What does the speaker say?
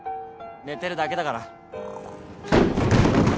寝てるだけだから。